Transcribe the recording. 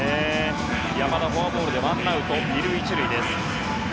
山田はフォアボールでワンアウト２塁１塁です。